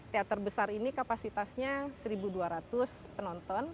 teater besar ini kapasitasnya satu dua ratus penonton